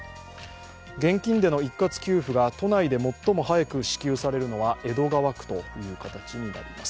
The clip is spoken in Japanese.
現金での一括給付が都内で最も早く支給されるのは江戸川区という形になります。